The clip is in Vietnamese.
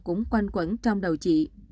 cũng quanh quẩn trong đầu chị